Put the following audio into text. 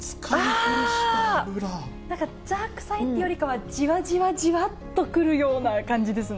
なんか、ザ・臭いっていうよりかは、じわじわじわっとくるような感じですね。